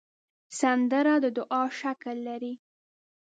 سندره د دعا شکل لري